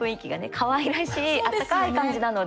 かわいらしい温かい感じなので。